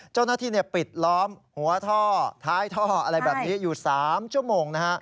เจ้าหน้าที่ปิดล้อมหัวท่อท้ายท่ออะไรแบบนี้อยู่๓ชั่วโมงนะฮะ